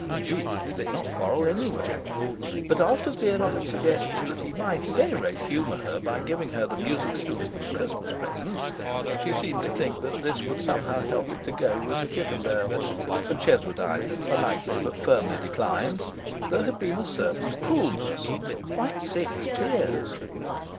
Indeed, they did not quarrel anywhere; but after Vera had suggested that he might at any rate humour her by giving her the music stool for a Christmas present (she seemed to think this would somehow help it to 'go' with the Chippendale), and Cheswardine had politely but firmly declined, there had been a certain coolness and quite six tears.